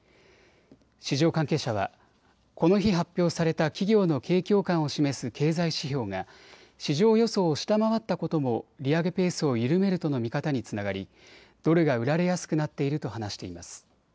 市場関係者はこの日発表された企業の景況感を示す経済指標が市場予想を下回ったことも利上げペースを緩めるとの見方につながり、ドルが売られやすくなっていると話しています。